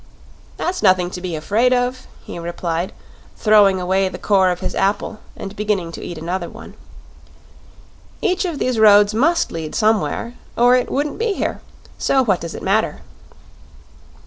"That's nothing to be afraid of," he replied, throwing away the core of his apple and beginning to eat another one. "Each of these roads must lead somewhere, or it wouldn't be here. So what does it matter?"